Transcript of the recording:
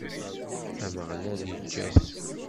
Ameɣlal iǧǧa-t.